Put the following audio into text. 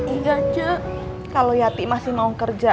enggak cek kalau yati masih mau kerja